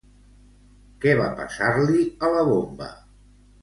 Què va passar-li a la bomba?